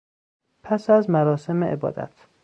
پس از مراسم عبادت